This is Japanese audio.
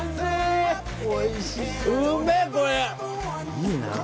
いいな。